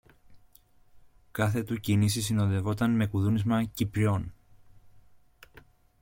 Κάθε του κίνηση συνοδεύονταν με κουδούνισμα κυπριών.